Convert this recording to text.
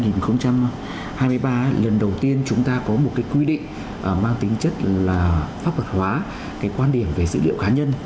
nghị định một mươi ba năm hai nghìn hai mươi ba lần đầu tiên chúng ta có một quy định mang tính chất là pháp vật hóa quan điểm về dữ liệu cá nhân